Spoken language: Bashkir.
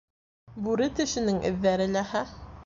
Бүре тешенең эҙҙәре ләһә.